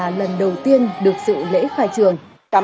là lần đầu tiên được sự lễ khai trường